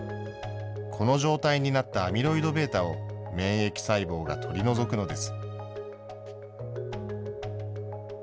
この状態になったアミロイドβを、免疫細胞が取り除くのです。